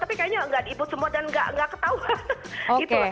tapi kayaknya tidak diibut semua dan tidak ketahuan